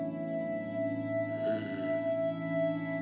うん。